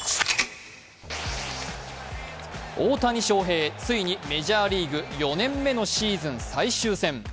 大谷翔平、ついにメジャーリーグ４年目のシーズン最終戦。